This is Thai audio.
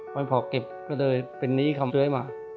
มันพอเก็บก็เลยเป็นนี้ครับเจ้าให้มา